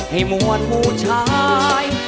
ให้มวลผู้ชาย